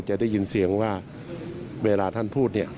จะได้ยินเสียงว่าเวลาท่านพูดเนี่ย